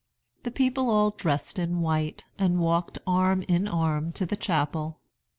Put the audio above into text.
The people all dressed in white, and walked arm in arm to the chapel.